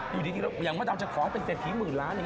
อยู่ดีอย่างก็ก็ถามจะขอไปเจ็บดีหมื่นล้าน